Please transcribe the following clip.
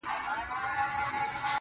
صبر چي تا د ژوند، د هر اړخ استاده کړمه